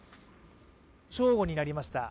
正午になりました。